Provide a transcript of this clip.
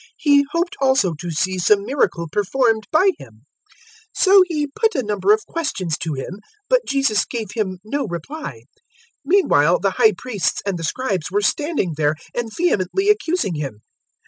He hoped also to see some miracle performed by Him. 023:009 So he put a number of questions to Him, but Jesus gave him no reply. 023:010 Meanwhile the High Priests and the Scribes were standing there and vehemently accusing Him.